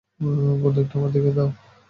বন্দুকটা আমাকে দাও।